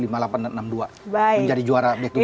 menjadi juara back to back